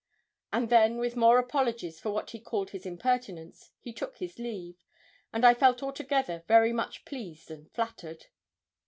And then with more apologies for what he called his impertinence, he took his leave, and I felt altogether very much pleased and flattered.